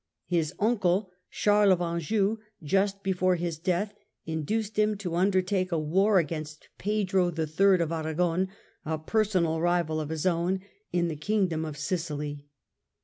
His uncle, Charles of Anjou, just before his death, induced him to undertake a war against Pedro III. of Aragon, a personal rival of his own in the Kingdom of Sicily.